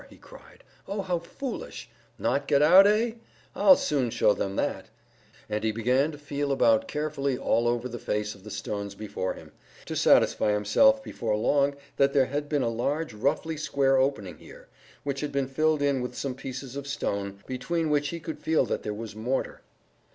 he cried. "Oh, how foolish! Not get out, eh? I'll soon show them that;" and he began to feel about carefully all over the face of the stones before him, to satisfy himself before long that there had been a large roughly square opening here, which had been filled in with some pieces of stone, between which he could feel that there was mortar.